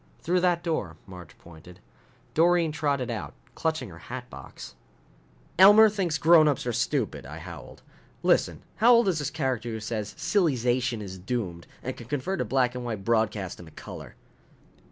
"Through that door." Marge pointed. Doreen trotted out, clutching her hat box. "Elmer thinks grownups are stupid?" I howled. "Listen, how old is this character who says silly zation is doomed and can convert a black and white broadcast into color?"